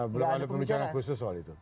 belum ada pembicaraan khusus soal itu